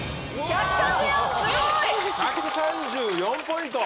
１３４ポイント！